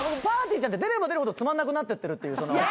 ーちゃんって出れば出るほどつまんなくなってってるっていう。